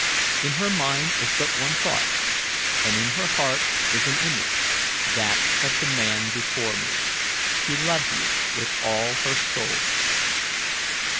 "In her mind is but one thought, and in her heart is an image that of the man before me. She loves you with all her soul."